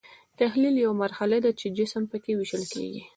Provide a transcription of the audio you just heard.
تحلیل یوه مرحله ده چې جسم پکې ویشل کیږي.